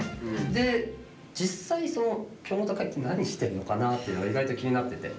で実際その京本会って何してるのかなっていうのが意外と気になってて。